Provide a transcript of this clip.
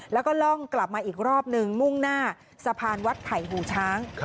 แล้วก็ล่องกลับมาอีกรอบนึงมุ่งหน้าสะพานวัดไผ่หูช้าง